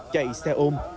chạy xe ôm